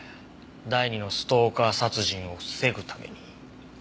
第二のストーカー殺人を防ぐために。